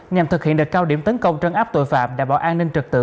nhằm thực hiện được cao điểm tấn công trân áp tội phạm đảm bảo an ninh trật tự